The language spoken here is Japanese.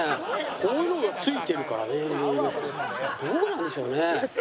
こういうのが付いてるからねどうなんでしょうね？